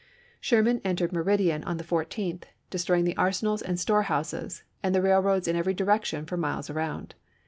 Sherman entered Meridian on the 14th, destroy ing the arsenals and storehouses, and the railroads in every direction for miles around.